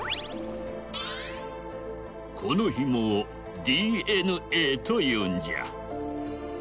このヒモをＤＮＡというんじゃ。